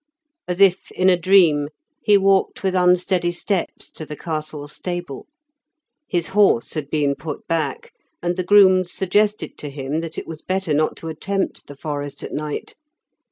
As if in a dream he walked with unsteady steps to the castle stable; his horse had been put back, and the grooms suggested to him that it was better not to attempt the forest at night.